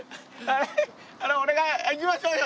あれ俺が「行きましょうよ」